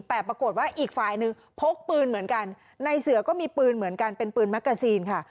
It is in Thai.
แต่ปรากฏว่าอีกฝ่ายหนึ่งพกปืนเหมือนกันในเสือก็มีปืนเหมือนกันเป็นปืนแกซีนค่ะ